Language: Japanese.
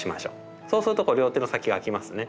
そうするとこう両手の先があきますね。